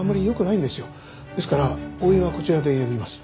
ですから応援はこちらで呼びます。